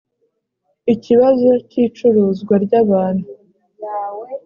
ikibazo cy’icuruzwa ry’abantu